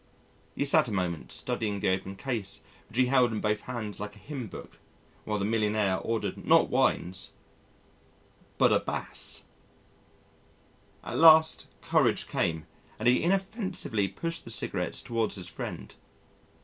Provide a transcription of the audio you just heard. He sat a moment studying the open case which he held in both hands like a hymn book, while the millionaire ordered not wines but a bass! At last courage came, and he inoffensively pushed the cigarettes towards his friend.